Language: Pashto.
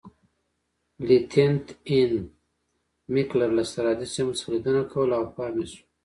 لیتننت اېن میکلر له سرحدي سیمو څخه لیدنه کوله او پام یې شو.